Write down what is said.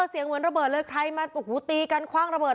เสียงเหมือนระเบิดเลยใครมาโอ้โหตีกันคว่างระเบิ